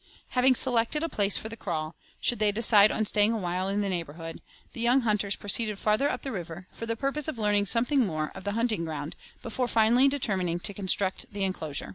Having selected a place for the kraal, should they decide on staying awhile in the neighbourhood, the young hunters proceeded farther up the river, for the purpose of learning something more of the hunting ground before finally determining to construct the enclosure.